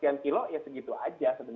sekian kilo ya segitu aja